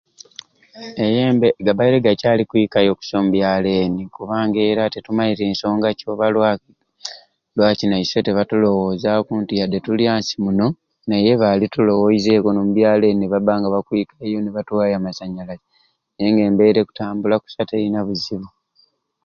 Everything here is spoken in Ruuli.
Eyembe gabaire gakyali kwikayo kusai omubyaalo eni kubanga era tetumaite nsonga ki oba lwaki lwaki naiswe tibatulowoozaku nti yadde tuli ansi muno naye baalituloweizeeku n'omubyaalo eni nibabba nga bakwiikayo nibatuwaayo amasanyalaze naye nga embeera ekutambula kusai terina buzibu